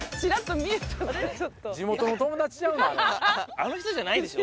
あの人じゃないでしょ？